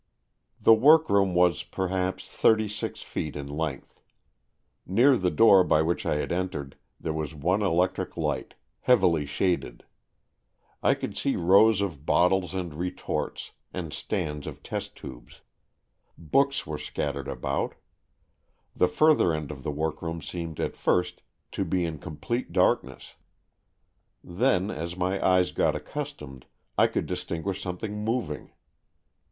The workroom was, perhaps, thirty six feet in length. Near the door by which I had entered, there was one electric light, heavily shaded. I could see rows of bottles and AN EXCHANGE OF SOULS 181 retorts, and stands of test tubes. Books were scattered about. The further end of the workroom seemed at first to be in com plete darkness. Then, as my eyes got accustomed, I could distinguish something moving.